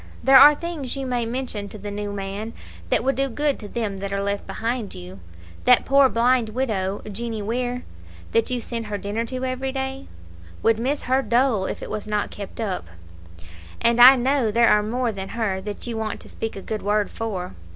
There are things you may mention to the new man that would do good to them that are left behind you. That poor blind widow, Jeanie Weir, that you send her dinner to every day, would miss her dole if it was not kept up; and I know there are more than her that you want to speak a good word for.